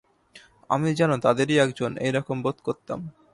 আমি যেন তাদেরই একজন, এই-রকম বোধ করতাম।